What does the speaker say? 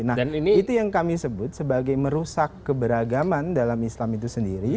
nah itu yang kami sebut sebagai merusak keberagaman dalam islam itu sendiri